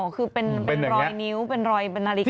คือเป็นรอยนิ้วเป็นรอยเป็นนาฬิกา